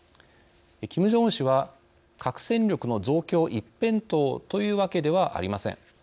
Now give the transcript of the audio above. キム・ジョンウン氏は核戦力の増強一辺倒というわけではありません。